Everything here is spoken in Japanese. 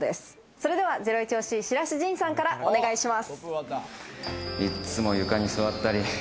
それではゼロイチ推し、白洲迅さんからお願いします。